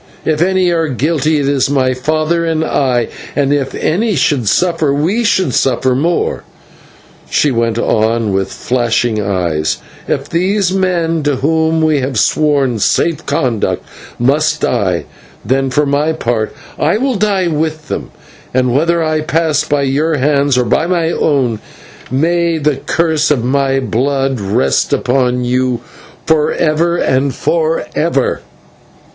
If any are guilty it is my father and I, and if any should suffer we should suffer. More," she went on, with flashing eyes, "if these men to whom we have sworn safe conduct must die, then for my part I will die with them, and whether I pass by your hands or by my own, may the curse of my blood rest upon you for ever and for ever."